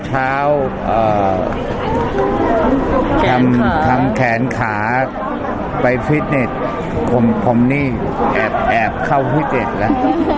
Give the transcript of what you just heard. ทุกวันครับทุกวันเช้าทำแขนขาไปฟิตเนสผมนี่แอบเข้าฟิตเนสแล้ว